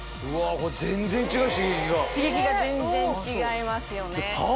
刺激が全然違いますよね。